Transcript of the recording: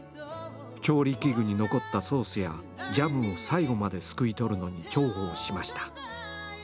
調理器具に残ったソースやジャムを最後まですくい取るのに重宝しました。